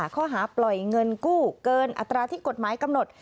ข้อหาปล่อยเงินกู้เกินอัตราที่กฎหมายกำหนด